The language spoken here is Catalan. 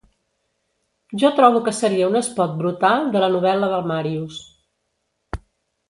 Jo trobo que seria un espot brutal de la novel·la del Màrius.